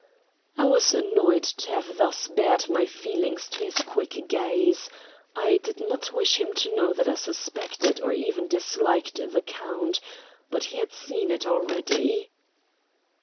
I was annoyed to have thus bared my feelings to his quick gaze. I did not wish him to know that I suspected, or even disliked, the count; but he had seen it already.